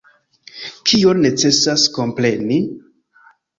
Kion necesas kompreni?